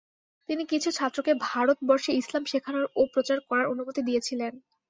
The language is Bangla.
তিনি কিছু ছাত্রকে ভারতবর্ষে ইসলাম শেখানোর ও প্রচার করার অনুমতি দিয়েছিলেন।